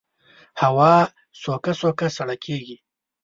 هوا سوکه سوکه سړه کېږي